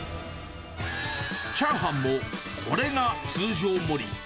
チャーハンも、これが通常盛り。